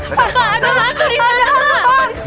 ada hantu di sana